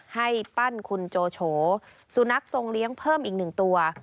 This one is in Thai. ให้ปั้นคุณโจโฉสุนัขทรงเลี้ยงเพิ่มอีก๑ตัว